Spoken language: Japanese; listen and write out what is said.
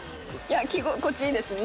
着心地いいですね。